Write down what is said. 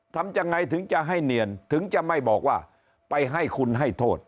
ทำยังไงถึงจะให้เนียนถึงจะไม่บอกว่าไปให้คุณให้โทษ